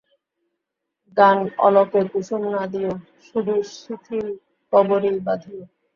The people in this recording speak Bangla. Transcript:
গান অলকে কুসুম না দিয়ো, শুধু শিথিলকবরী বাঁধিয়ো।